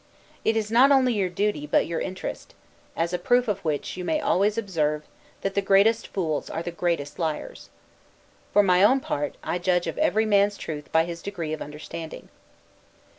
It is not only your duty, but your interest; as a proof of which you may always observe, that the greatest fools are the greatest liars. For my own part, I judge of every man's truth by his degree of understanding.